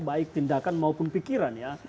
baik tindakan maupun pikiran ya